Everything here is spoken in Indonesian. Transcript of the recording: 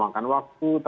makanan yang diperlukan